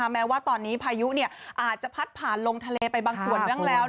แม้ว่าตอนนี้พายุอาจจะพัดผ่านลงทะเลไปบางส่วนบ้างแล้ว